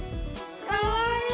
かわいい。